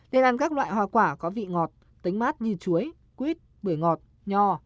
để ăn các loại hoa quả có vị ngọt tính mát như chuối quýt bưởi ngọt nho táo và lê